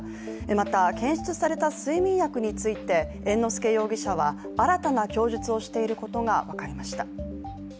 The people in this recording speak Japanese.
また検出された睡眠薬について、猿之助容疑者は新たな供述をしていることが分かりました。